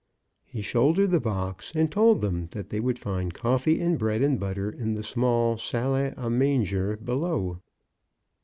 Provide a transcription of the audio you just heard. He shouldered the box, and told them that they would find coffee and bread and butter in the small salle a manger below.